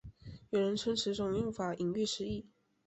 有人称此种用法引喻失义。